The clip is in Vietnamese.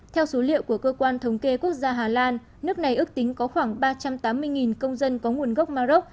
theo số liệu của cơ quan thống kê quốc gia hà lan nước này ước tính có khoảng ba trăm tám mươi công dân có nguồn gốc maroc